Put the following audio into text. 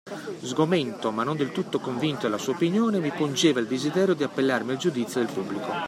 Sgomento, ma non del tutto convinto della sua opinione, mi pungeva il desiderio di appellarmi al giudizio del pubblico.